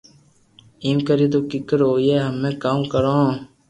ايم ڪري تو ڪيڪر ھوئئي ھمو ڪاو ڪرو